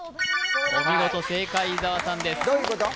お見事正解、伊沢さんです。